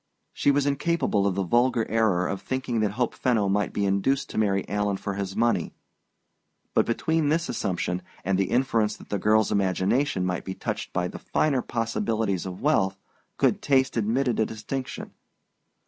She was incapable of the vulgar error of thinking that Hope Fenno might be induced to marry Alan for his money; but between this assumption and the inference that the girl's imagination might be touched by the finer possibilities of wealth, good taste admitted a distinction.